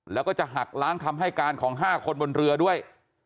แล้วก็จะหักล้างคำให้การของ๕คนบนเรือด้วย